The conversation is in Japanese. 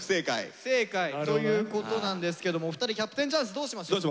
不正解ということなんですけれどもお二人キャプテンチャンスどうしましょう？